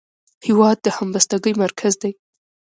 هېواد د همبستګۍ مرکز دی.